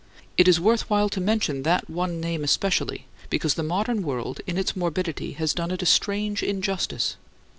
It is worth while to mention that one name especially because the modern world in its morbidity has done it a strange injustice.